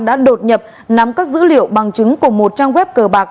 đã đột nhập nắm các dữ liệu bằng chứng của một trang web cờ bạc